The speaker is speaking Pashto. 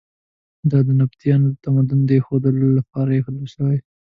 دا د نبطیانو تمدن د ښودلو لپاره ایښودل شوي.